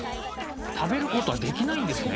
食べることはできないんですね。